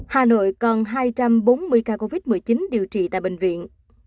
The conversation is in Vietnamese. hà nội còn hai trăm bốn mươi ca covid một mươi chín điều trị tại bệnh viện